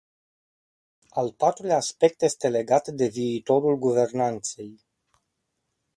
Al patrulea aspect este legat de viitorul guvernanței.